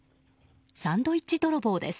サンドイッチ泥棒です。